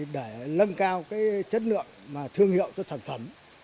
để nâng cao chất lượng thương hiệu cho sản phẩm